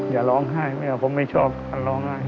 อย่าร้องไห้แม่ผมไม่ชอบร้องไห้